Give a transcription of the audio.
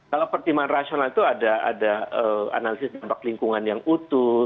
kalau pertimbangan rasional itu ada analisis dampak lingkungan yang utuh